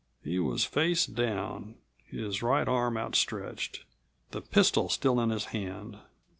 He was face down, his right arm outstretched, the pistol still in his hand.